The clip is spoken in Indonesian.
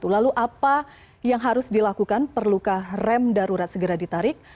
lalu apa yang harus dilakukan perlukah rem darurat segera ditarik